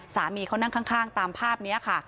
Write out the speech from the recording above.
สามีเขานั่งข้างตามภาพนี้ค่ะ